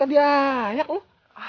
eh kak bae